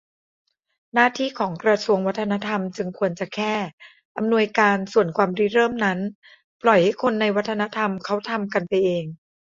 หน้าที่ของกระทรวงวัฒนธรรมจึงควรจะแค่ อำนวยการ ส่วนความริเริ่มนั้นปล่อยให้คนในวัฒนธรรมเขาทำกันไปเอง